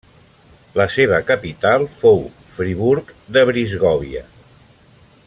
La seva capital fou Friburg de Brisgòvia.